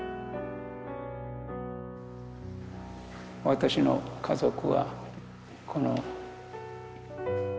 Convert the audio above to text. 私の家族はこの。